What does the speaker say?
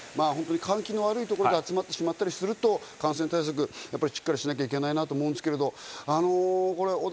換気の悪いところで集まってしまったりすると感染対策しっかりしなきゃいけないなと思うんですけど。